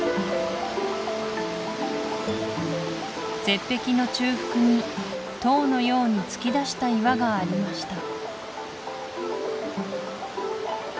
絶壁の中腹に塔のように突き出した岩がありました